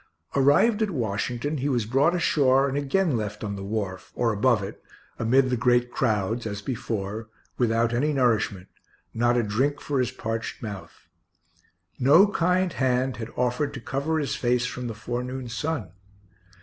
Arrived at Washington, he was brought ashore and again left on the wharf, or above it, amid the great crowds, as before, without any nourishment not a drink for his parched mouth; no kind hand had offered to cover his face from the forenoon sun.